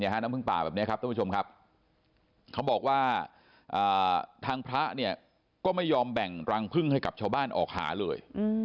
น้ำพึ่งป่าแบบนี้ครับท่านผู้ชมครับเขาบอกว่าทางพระเนี่ยก็ไม่ยอมแบ่งรังพึ่งให้กับชาวบ้านออกหาเลย